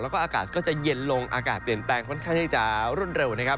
แล้วก็อากาศก็จะเย็นลงอากาศเปลี่ยนแปลงค่อนข้างที่จะรวดเร็วนะครับ